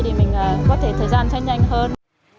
để mình có thể thời gian thay nhanh hơn